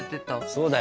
そうだよ。